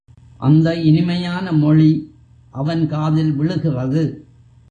அந்த இனிமையான மொழி அவன் காதில் விழுகிறது.